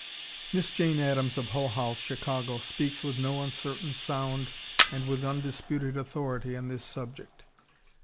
] Miss Jane Addams of Hull House, Chicago, speaks with no uncertain sound and with undisputed authority on this subject.